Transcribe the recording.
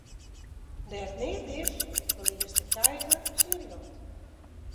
Dêr't neat is, ferliest de keizer syn rjocht.